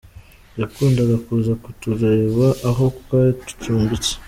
Yakundaga kuza kutureba aho twari ducumbitse.